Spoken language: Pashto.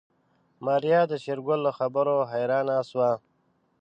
ماريا د شېرګل له خبرو حيرانه شوه.